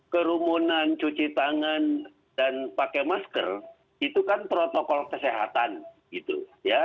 kerumunan cuci tangan dan pakai masker itu kan protokol kesehatan gitu ya